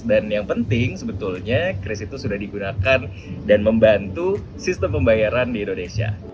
dan yang penting sebetulnya kris itu sudah digunakan dan membantu sistem pembayaran di indonesia